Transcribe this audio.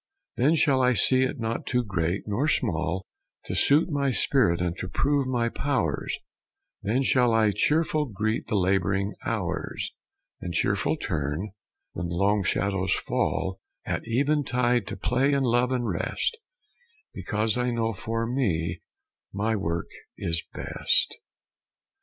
Then shall I see it not too great, nor small To suit my spirit and to prove my powers; Then shall I cheerful greet the laboring hours, And cheerful turn, when the long shadows fall At eventide, to play and love and rest, Because I know for me my work is best.